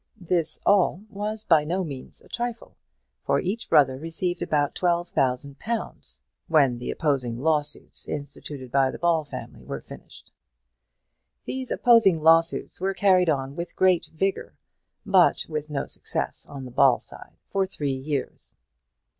This all was by no means a trifle, for each brother received about twelve thousand pounds when the opposing lawsuits instituted by the Ball family were finished. These opposing lawsuits were carried on with great vigour, but with no success on the Ball side, for three years.